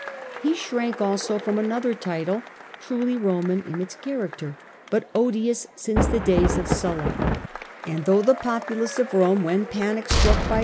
He shrank also from another title, truly Roman in its character, but odious since the days of Sulla ; and though the populace of Rome, when panicstruck by tator.